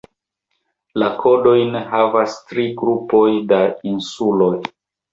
La kodojn havas tri grupoj da insuloj.